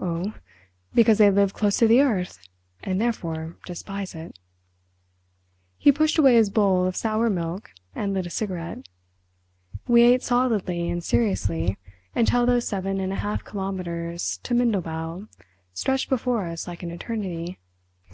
"Oh, because they live close to the earth, and therefore despise it." He pushed away his bowl of sour milk and lit a cigarette. We ate, solidly and seriously, until those seven and a half kilometres to Mindelbau stretched before us like an eternity.